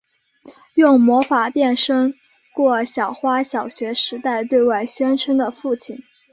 用魔法变身过小花小学时代对外宣称的父亲。